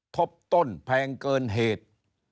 ทบต้นแพงเกินเหตุ